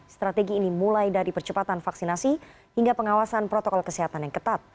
strategi ini mulai dari percepatan vaksinasi hingga pengawasan protokol kesehatan yang ketat